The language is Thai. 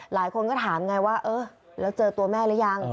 หลายคนก็ถามไงว่าเออแล้วเจอตัวแม่หรือยัง